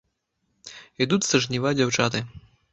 Ідуць са жніва дзяўчаты.